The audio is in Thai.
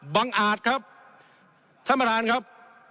บังอาจครับท่านมารรานครับ